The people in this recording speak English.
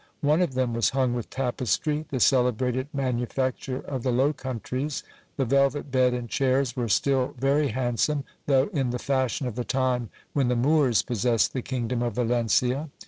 One of them was hung with tapestry, the celebrated manufacture of the Low Countries ; the velvet bed and chairs were still very handsome, though in the fashion of the time when the Moors possessed the kingdom of Valencia.